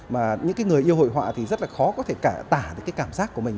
mà những người yêu hội họa thì rất là khó có thể tả cái cảm giác của mình